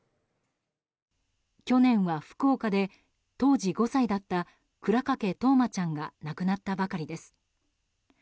去年は福岡で当時５歳だった倉掛冬生ちゃんが亡くなったばかりです。